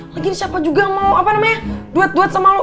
lagi siapa juga mau duet duet sama lu